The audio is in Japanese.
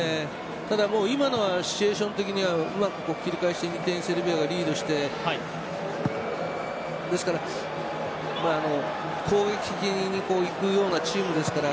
ただ今のはシチュエーション的にうまく切り返してセルビアがリードして攻撃的にいくようなチームですから。